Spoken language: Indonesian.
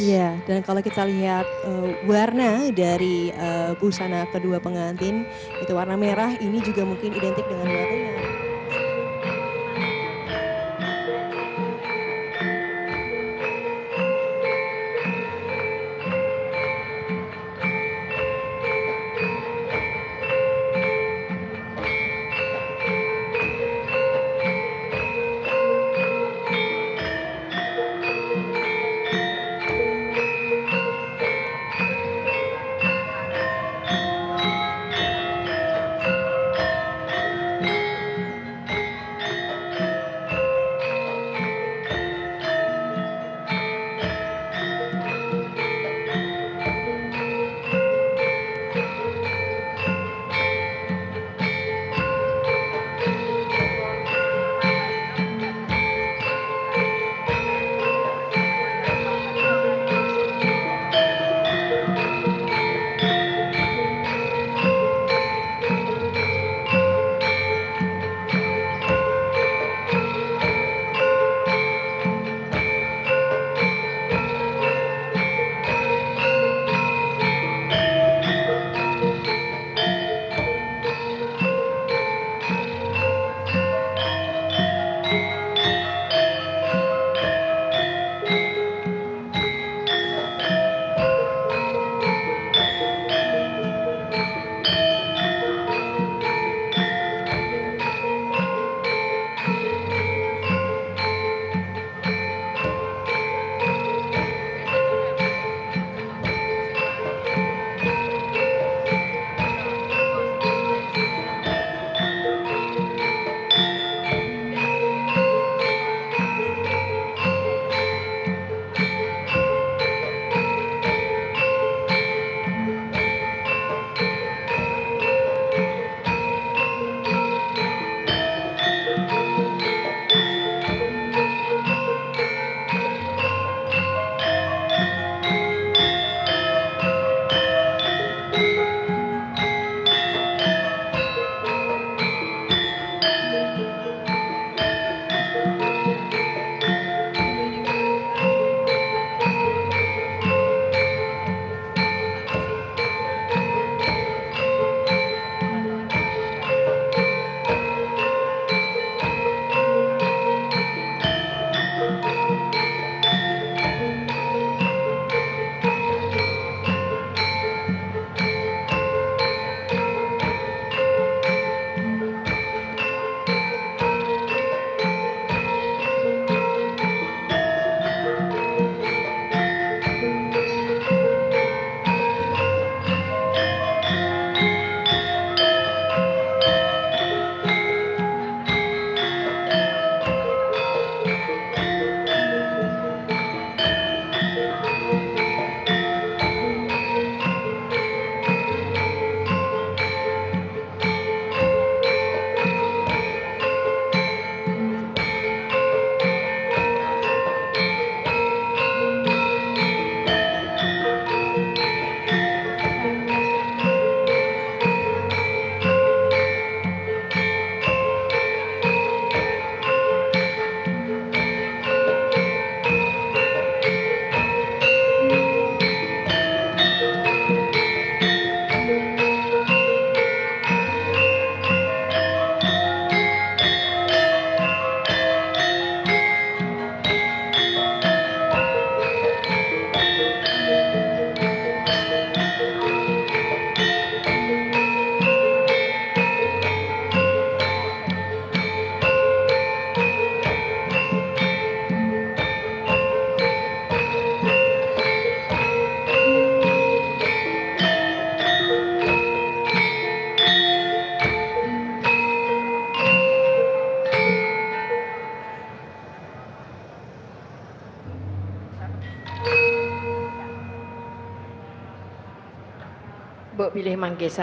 iya dan kalau kita lihat warna dari usana kedua pengantin gitu warna merah ini juga mungkin identik dengan warna